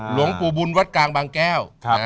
หลวงปู่บุญวัดกลางบางแก้ว